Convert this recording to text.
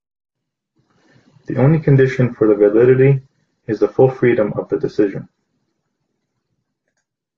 The only condition for the validity is the full freedom of the decision.